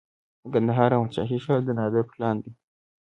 د کندهار احمد شاهي ښار د نادر پلان دی